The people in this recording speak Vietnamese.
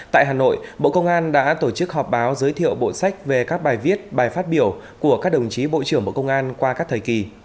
tại hà nội bộ công an đã tổ chức họp báo giới thiệu bộ sách về các bài viết bài phát biểu của các đồng chí bộ trưởng bộ công an qua các thời kỳ